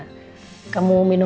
ini ramuan herbanya